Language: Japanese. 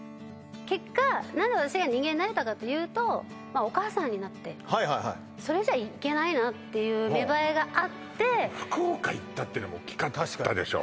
結果何で私が人間になれたかっていうとまあお母さんになってはいはいはいそれじゃいけないなっていう芽生えがあって福岡行ったってのも大きかったでしょう